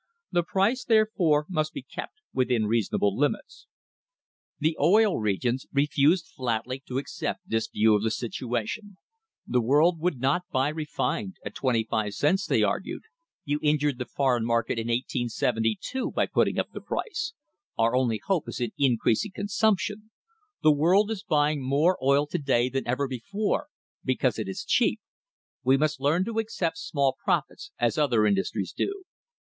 The price, therefore, must be kept within reasonable limits." The Oil Regions refused flatly to accept this view of the situation. The world would not buy refined at twenty five cents, they argued. "You injured the foreign market in 1872 by putting up the price. Our only hope is in increasing con sumption. The world is buying more oil to day than ever before, because it is cheap. We must learn to accept small profits, as other industries do."